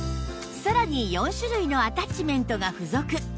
さらに４種類のアタッチメントが付属